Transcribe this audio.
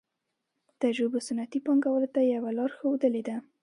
تجربو صنعتي پانګوالو ته یوه لار ښودلې ده